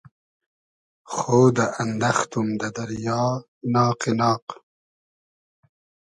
خۉدۂ اندئختوم دۂ دئریا ناقی ناق